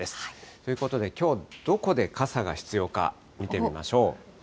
ということで、きょうのどこで傘が必要か、見てみましょう。